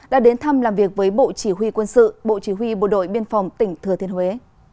đã đến thăm làm việc với bộ chỉ huy quân sự bộ chỉ huy bộ đội biên phòng tỉnh thừa thiên huế